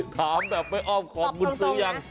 ถามแบบไม่อ้อมขอบคุณซื้อยัง